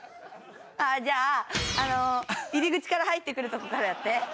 ああっじゃあ入り口から入ってくるとこからやって。